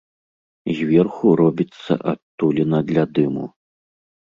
Зверху робіцца адтуліна для дыму.